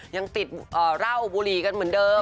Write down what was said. ยังติดเหล้าบุหรี่กันเหมือนเดิม